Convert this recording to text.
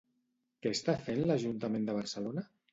Què està fent l'Ajuntament de Barcelona?